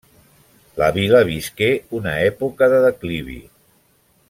La vila visqué una època de declivi.